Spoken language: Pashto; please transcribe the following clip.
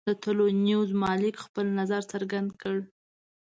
د طلوع ټلویزیون مالک خپل نظر څرګند کړ.